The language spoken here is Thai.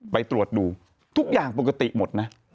ไปตรวจดูทุกอย่างปกติหมดนะ